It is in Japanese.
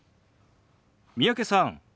三宅さん